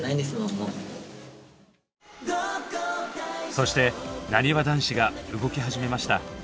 そして「なにわ男子」が動き始めました。